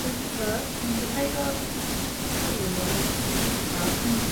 天蓬、天任、天衝、天輔、天英、天芮